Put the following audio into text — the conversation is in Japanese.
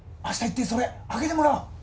あした行ってそれ開けてもらおう。